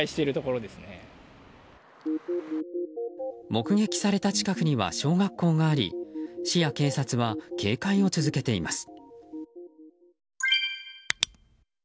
目撃された近くには小学校があり市や警察は警戒を続けています。